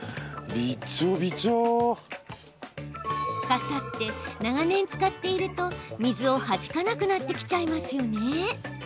傘って、長年使っていると水をはじかなくなってきちゃいますよね。